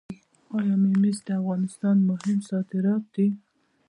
آیا ممیز د افغانستان مهم صادرات دي؟